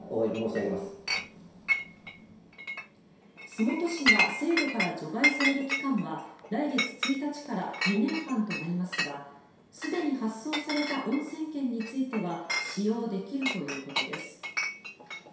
洲本市が制度から除外される期間は来月１日から２年間となりますがすでに発送された温泉券については使用できるということです。